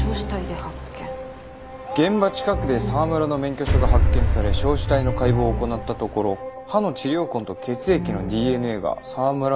現場近くで沢村の免許証が発見され焼死体の解剖を行ったところ歯の治療痕と血液のＤＮＡが沢村のものと一致か。